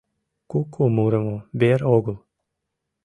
Куку мурымо вер огыл